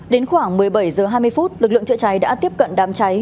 đến khoảng một mươi bảy h hai mươi phút lực lượng chữa cháy đã tiếp cận đám cháy